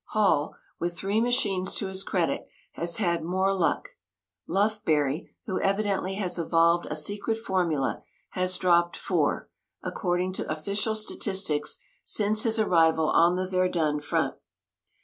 Hall, with three machines to his credit, has had more luck. Lufbery, who evidently has evolved a secret formula, has dropped four, according to official statistics, since his arrival on the Verdun front.